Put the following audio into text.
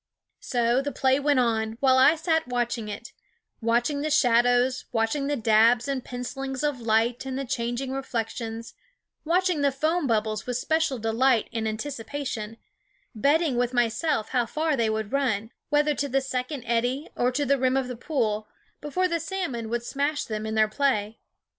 So the play went on, while I sat watching it watching the shadows, watching the dabs and pencilings of light and the chan ging reflections, watching the foam bubbles with special delight and anticipation, betting with myself how far they would run, whether to the second eddy or to the rim of the pool, before the salmon would smash them in their play.